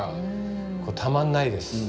これたまんないです。